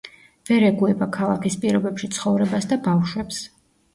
ვერ ეგუება ქალაქის პირობებში ცხოვრებას და ბავშვებს.